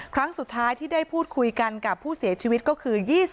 ครั้งสุดท้ายที่ได้พูดคุยกันกับผู้เสียชีวิตก็คือ